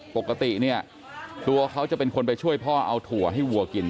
ปกติเนี่ยตัวเขาจะเป็นคนไปช่วยพ่อเอาถั่วให้วัวกิน